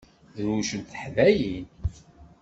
Drewcent teḥdayin.